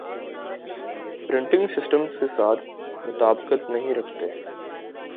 پریٹنگ systems کے ساتھ مطابقت نہیں رکھتے